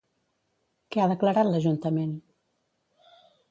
Què ha declarat l'ajuntament?